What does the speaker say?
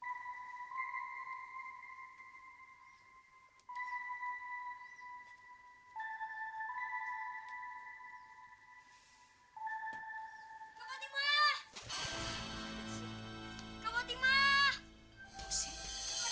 kau bawa timah